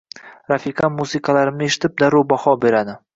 Rafiqam musiqalarimni eshitib, darrov baho beradi.